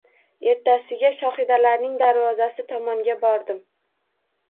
Ertasiga Shohidalarning darvozasi tomonga bordim